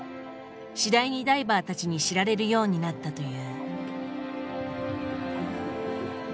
次第にダイバーたちに知られるようになったという。